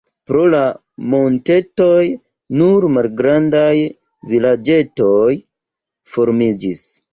Pro la montetoj nur malgrandaj vilaĝetoj formiĝis.